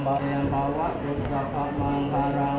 ทุติยังปิตพุทธธาเป็นที่พึ่ง